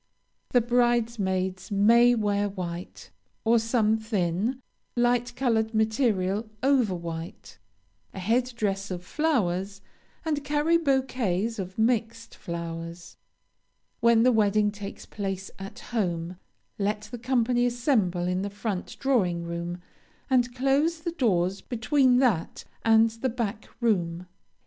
The bridesmaids may wear white, or some thin, light colored material over white, a head dress of flowers, and carry bouquets of mixed flowers. When the wedding takes place at home, let the company assemble in the front drawing room, and close the doors between that and the back room.